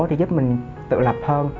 thì giúp mình tự lập hơn